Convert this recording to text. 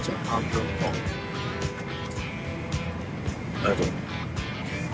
ありがとう。